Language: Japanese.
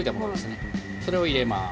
それを入れます。